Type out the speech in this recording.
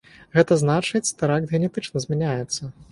Гэта значыць тэракт генетычна змяняецца.